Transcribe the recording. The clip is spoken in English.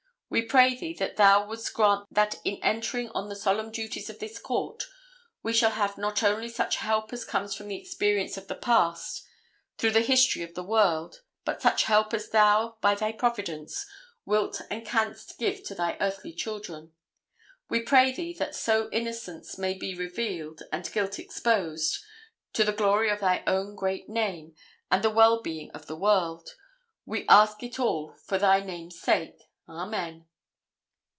We pray Thee that Thou wouldst grant that in entering on the solemn duties of this court, we shall have not only such help as comes from the experience of the past, through the history of the world, but such help as Thou, by Thy providence, wilt and canst give to Thy earthly children. We pray Thee that so innocence may be revealed and guilt exposed, to the glory of Thy own great name and the well being of the world. We ask it all for Thy name's sake. Amen."